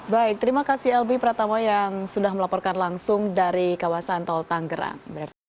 baik terima kasih albi pratama yang sudah melaporkan langsung dari kawasan tol tanggerang